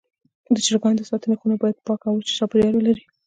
د چرګانو د ساتنې خونه باید پاکه او وچ چاپېریال ولري.